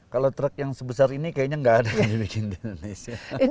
kalau truk yang sebesar ini kayaknya gak ada yang dibikin di indonesia